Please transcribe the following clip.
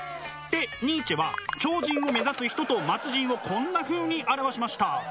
でニーチェは超人を目指す人と末人をこんなふうに表しました。